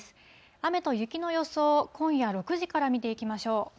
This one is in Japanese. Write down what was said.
雨と雪の予想を今夜６時から見ていきましょう。